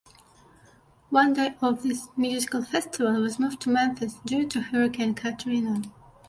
One day of this music festival was moved to Memphis due to Hurricane Katrina.